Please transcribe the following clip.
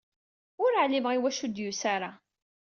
Ur ɛlimeɣ iwacu ur d-yusi ara.